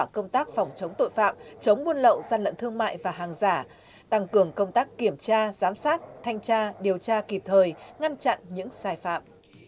công tác phòng chống tội phạm chống buôn lậu gian lận thương mại và hàng giả tăng cường công tác kiểm tra giám sát thanh tra điều tra kịp thời ngăn chặn những sai phạm